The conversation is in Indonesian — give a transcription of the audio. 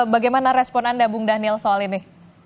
bagaimana respon anda bung daniel soal ini